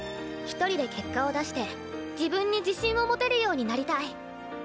一人で結果を出して自分に自信を持てるようになりたい。